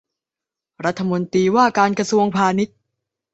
รัฐมนตรีว่าการกระทรวงพาณิชย์